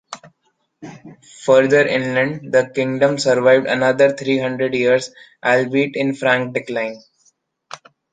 Further inland, the kingdom survived another three hundred years, albeit in frank decline.